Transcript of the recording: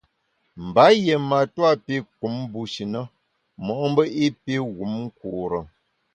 Mba yié matua pi kum bushi na mo’mbe i pi wum nkure.